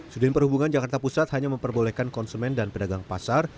sudin perhubungan jakarta pusat hanya memperbolehkan konsumen dan pedagang pasar